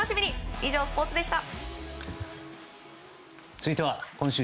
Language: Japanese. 以上、スポーツでした。